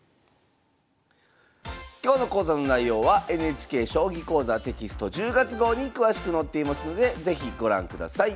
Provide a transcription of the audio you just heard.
今日の講座の内容はＮＨＫ「将棋講座」テキスト１０月号に詳しく載っていますので是非ご覧ください。